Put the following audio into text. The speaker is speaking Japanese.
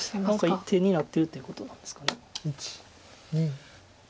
何か手になってるということなんですかね。